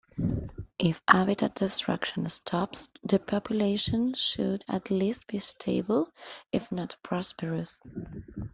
If habitat destruction stops, the population should at least be stable, if not prosperous.